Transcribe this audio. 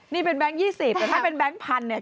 นี่เป็นแบงค์๒๐แต่ถ้าเป็นแก๊งพันธุเนี่ย